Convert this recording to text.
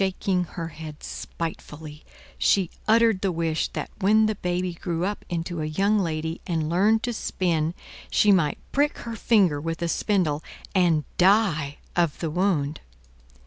Shaking her head spitefully, she uttered the wish that when the baby grew up into a young lady, and learned to spin, she might prick her finger with a spindle and die of the wound.